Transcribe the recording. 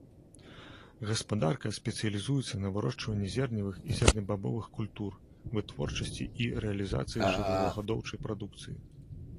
Гаспадарка спецыялізуецца на вырошчванні зерневых і зернебабовых культур, вытворчасці і рэалізацыі жывёлагадоўчай прадукцыі.